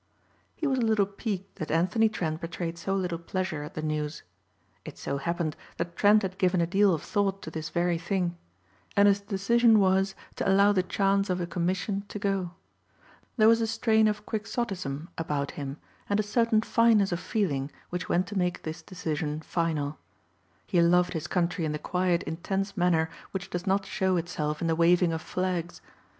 He was a little piqued that Anthony Trent betrayed so little pleasure at the news. It so happened that Trent had given a deal of thought to this very thing. And his decision was to allow the chance of a commission to go. There was a strain of quixotism about him and a certain fineness of feeling which went to make this decision final. He loved his country in the quiet intense manner which does not show itself in the waving of flags.